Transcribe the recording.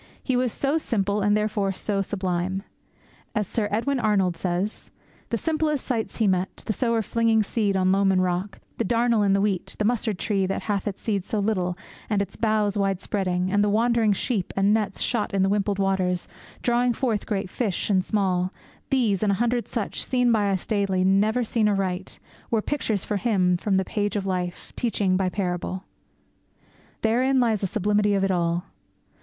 He was so simple and therefore so sublime. As Sir Edwin Arnold says: The simplest sights He met The Sower flinging seed on loam and rock; The darnel in the wheat; the mustard tree That hath its seeds so little, and its boughs Widespreading; and the wandering sheep; and nets Shot in the wimpled waters drawing forth Great fish and small these, and a hundred such, Seen by us daily, never seen aright, Were pictures for Him from the page of life, Teaching by parable. Therein lay the sublimity of it all.